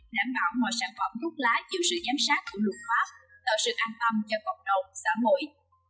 đảm bảo mọi sản phẩm thuốc lá chịu sự giám sát của luật pháp tạo sự an tâm cho cộng đồng xã hội